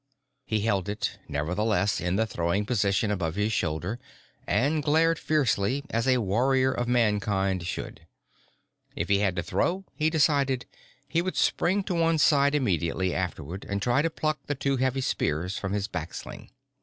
He held it nevertheless in the throwing position above his shoulder and glared fiercely, as a warrior of Mankind should. If he had to throw, he decided, he would spring to one side immediately afterward and try to pluck the two heavy spears from his back sling.